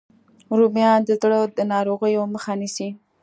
رومیان د زړه د ناروغیو مخه نیسي